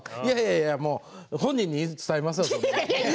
いや、もう本人に伝えますよ。